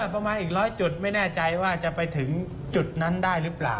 ประมาณอีก๑๐๐จุดไม่แน่ใจว่าจะไปถึงจุดนั้นได้หรือเปล่า